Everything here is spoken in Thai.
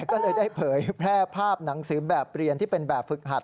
ก็เลยได้เผยแพร่ภาพหนังสือแบบเรียนที่เป็นแบบฝึกหัด